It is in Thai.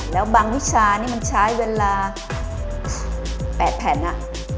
แล้วบางวิชานี่มันใช้เวลา๘แผ่นอะ